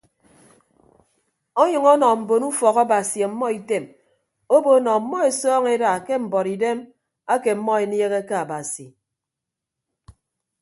Ọnyʌñ ọnọ mbon ufọk abasi ọmọ item obo nọ ọmmọ esọọñọ eda ke mbuọtidem ake ọmmọ eniehe ke abasi.